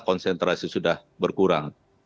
konsentrasi sudah berkurang